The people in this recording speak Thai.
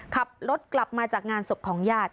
ขับรถกลับมาจากงานศพของญาติ